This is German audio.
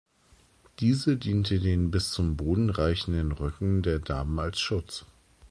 Diese diente den bis zum Boden reichenden Röcken der Damen als Schutz.